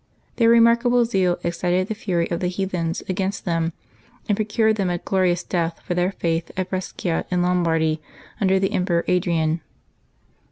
Their remarkable zeal excited the fury of the heathens against them, and procured them a glorious death for their faith at Brescia in Lombardy, under the Em peror Adrian.